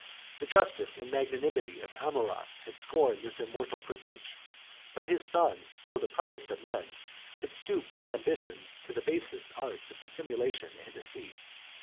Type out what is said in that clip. The justice and magnanimity of Amurath had scorned this immoral privilege; but his son, though the proudest of men, could stoop from ambition to the basest arts of dissimulation and deceit.